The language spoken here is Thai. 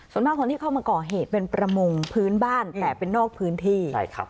ส่วนมากคนที่เข้ามาก่อเหตุเป็นประมงพื้นบ้านแต่เป็นนอกพื้นที่ใช่ครับ